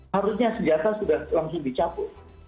harusnya senjata sudah langsung dicabut